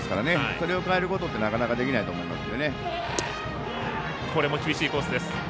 それを変えることってなかなかできないと思います。